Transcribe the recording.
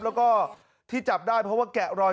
แล้วก็ที่จับได้เพราะว่าแกะรอย